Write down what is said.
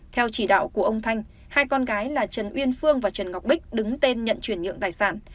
theo chỉ đạo của ông thanh hai con gái là trần uyên phương và trần ngọc bích đứng tên nhận chuyển nhượng tài sản